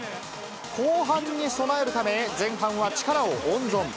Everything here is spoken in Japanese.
後半に備えるため、前半は力を温存。